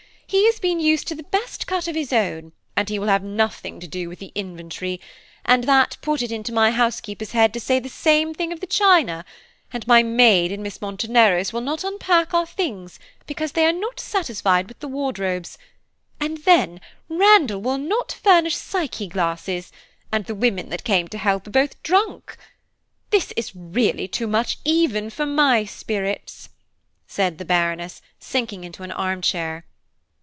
He has been used to the best cut of his own, and he will have nothing to do with the inventory, and that put it into my housekeeper's head to say the same of the china; and my maid and Miss Monteneros' will not unpack our things because they are not satisfied with the wardrobes; and then Randall will not furnish Psyche glasses, and the women that came to help are both drunk. This is really too much for even my spirits," said the Baroness, sinking into an armchair.